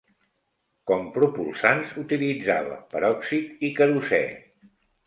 Com propulsants utilitzava peròxid i querosè.